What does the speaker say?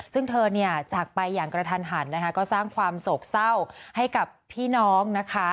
ซึ่งเธอเนี่ยจากไปอย่างกระทันหันนะคะก็สร้างความโศกเศร้าให้กับพี่น้องนะคะ